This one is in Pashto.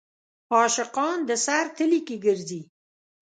عاشقان د سر تلي کې ګرځي.